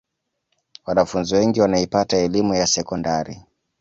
wanafunzi wengi wanaipata elimu ya sekondari